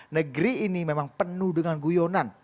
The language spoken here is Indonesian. negeri ini memang penuh dengan guyonan